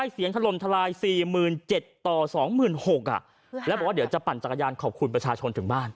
เสียงทะลนทะลายสี่หมื่นเจ็ดต่อสองหมื่นหกอ่ะแล้วบอกว่าเดี๋ยวจะปั่นจักรยานขอบคุณประชาชนถึงบ้าน